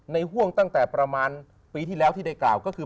ห่วงตั้งแต่ประมาณปีที่แล้วที่ได้กล่าวก็คือ